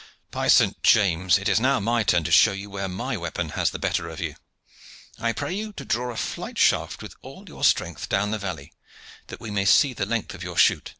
"By Saint James! it is now my turn to show you where my weapon has the better of you. I pray you to draw a flight shaft with all your strength down the valley, that we may see the length of your shoot."